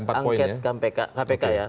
pansus angket kpk ya